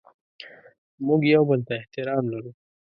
موږ یو بل ته احترام لرو.